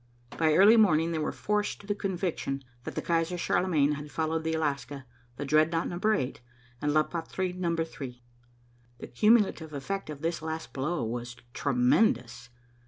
By early morning they were forced to the conviction that the Kaiser Charlemagne had followed the Alaska, the Dreadnought Number 8 and La Patrie Number 3. The cumulative effect of this last blow was tremendous.